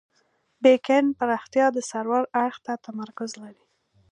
بیک اینډ پراختیا د سرور اړخ ته تمرکز لري.